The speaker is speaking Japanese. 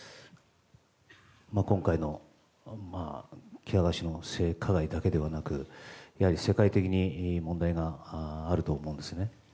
今回の喜多川氏の性加害だけではなく世界的に問題があると思うんですね。